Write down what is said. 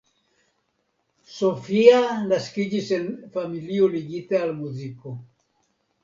Sophia naskiĝis en familio ligita al muziko.